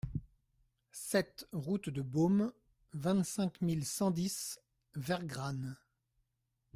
sept route de Baume, vingt-cinq mille cent dix Vergranne